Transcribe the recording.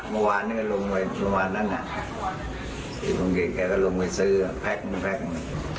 เมื่อวานนึงจะลงไปวันวานนั้นอ่ะสี่โมงเก่งแกก็ลงไปซื้อแพ็กนึงแพ็กนึง